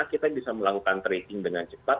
kita bisa melakukan tracing dengan cepat